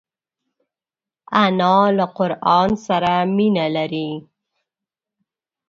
انا له قران سره مینه لري